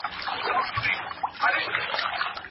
د ستور پېژندنې د علم سره یې پرتله کړئ.